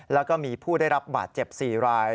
แล้วก็มีผู้ได้รับบาดเจ็บ๔ราย